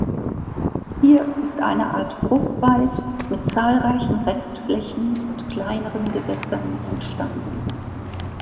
Hier ist eine Art Bruchwald mit zahlreichen Restflächen und kleineren Gewässern entstanden.